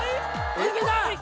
いけた！